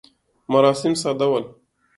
مراسم ساده ول.